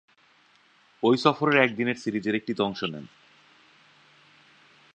ঐ সফরের একদিনের সিরিজের একটিতে অংশ নেন।